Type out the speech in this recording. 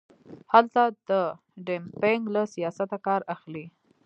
هلته د ډمپینګ له سیاسته کار اخلي.